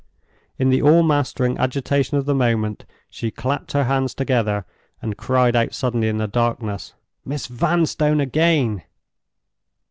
In the all mastering agitation of the moment, she clapped her hands together, and cried out suddenly in the darkness: "Miss Vanstone again!!!"